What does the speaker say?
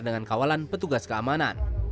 dengan kawalan petugas keamanan